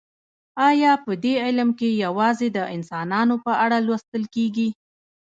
ایا په دې علم کې یوازې د انسانانو په اړه لوستل کیږي